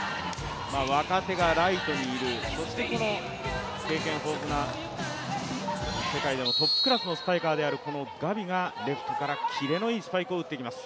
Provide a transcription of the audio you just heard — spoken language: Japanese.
若手がライトにいるそしてこの経験豊富な世界でもトップクラスのスパイカーであるこのガビがレフトからキレのいいスパイクを打ってきます。